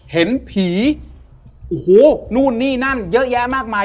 เห็นผีโอ้โหนู่นนี่นั่นเยอะแยะมากมาย